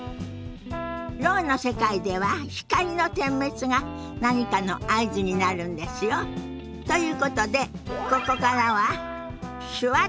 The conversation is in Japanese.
ろうの世界では光の点滅が何かの合図になるんですよ。ということでここからは「手話っとストレッチ」のお時間ですよ。